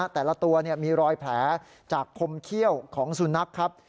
แต่ละตัวมีรอยแผลจากคมเขี้ยวของสุนัขครับ